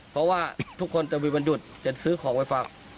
เพราะว่าทุกคนจะมีวันหยุดจะซื้อของไปฝาก